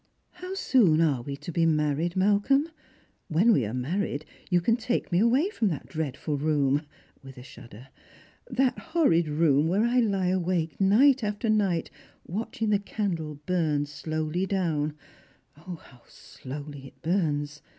" How soon are we to be married, Mal colm ? When we are married you can take me away from that dreadful room," with a shudder, " that horrid room where I lie awake night after night watching the candle burn slowly down — O, how slowly it burns